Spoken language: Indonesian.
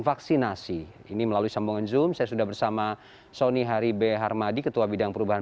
vaksinasi ini melalui sambungan zoom saya sudah bersama sony haribe harmadi ketua bidang perubahan